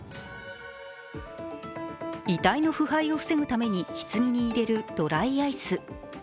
遺体の腐敗を防ぐために棺に入れるドライアイス。